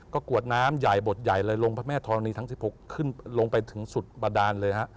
ก็กรวดน้ำใหญ่บทใหญ่เลยลงพระแม่ธรณีทั้ง๑๖ขึ้นลงไปถึงสุดบาดานเลยฮะ